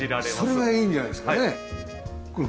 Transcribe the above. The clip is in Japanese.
それがいいんじゃないですかね空間でね。